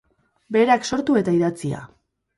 Berak sortu eta idatzia.